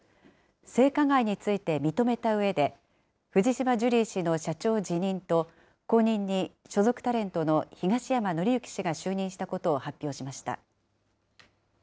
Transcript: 性加害について認めたうえで、藤島ジュリー氏の社長辞任と、後任に所属タレントの東山紀之氏が就任したことを発表しました。